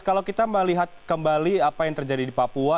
kalau kita melihat kembali apa yang terjadi di papua